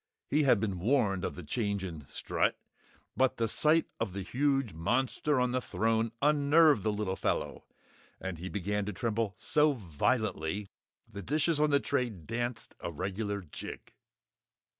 He had been warned of the change in Strut, but the sight of the huge monster on the throne unnerved the little fellow and he began to tremble so violently, the dishes on the tray danced a regular jig.